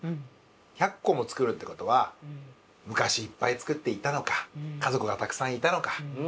百個も作るってことは昔いっぱい作っていたのか家族がたくさんいたのか。